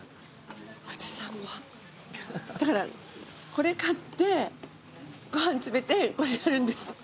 これ買ってご飯詰めてこれやるんです。